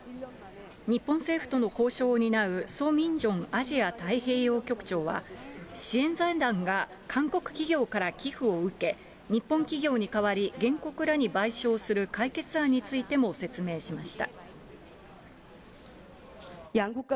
日本政府との交渉を担う、ソ・ミンジョンアジア太平洋局長は支援財団が韓国企業から寄付を受け、日本企業に代わり原告らに賠償する解決案についても説明しました。